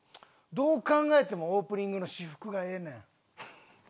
どう考えてもオープニングの私服がええねん。